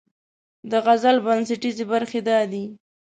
د غزل بنسټیزې برخې دا دي: